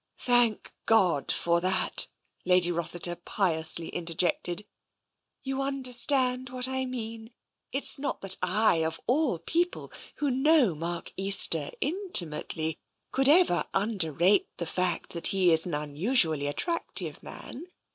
" Thank God for that !'* Lady Rossiter piously in terjected. "You understand what I mean? It's not that I, of all people, who know Mark Easter intimately, could ever underrate the fact that he is an unusually attractive man.